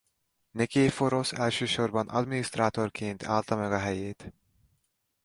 Niképhorosz elsősorban adminisztrátorként állta meg a helyét.